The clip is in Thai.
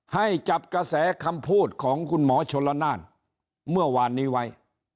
ให้จับกระแสคำพูดของคุณหมอชนละนานเมื่อวานนี้ไว้